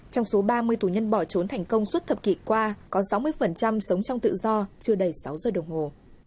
trong số ba mươi tù nhân bỏ trốn thành công suốt thập kỷ qua có sáu mươi sống trong tự do chưa đầy sáu giờ đồng hồ